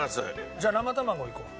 じゃあ生卵いこう。